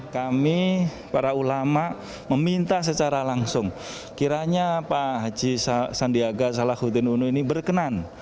kami para ulama meminta secara langsung kiranya pak haji sandiaga salahuddin uno ini berkenan